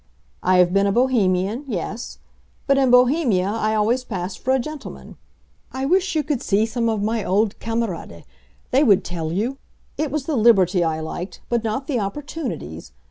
I have been a Bohemian—yes; but in Bohemia I always passed for a gentleman. I wish you could see some of my old camarades—they would tell you! It was the liberty I liked, but not the opportunities!